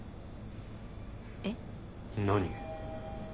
えっ？何？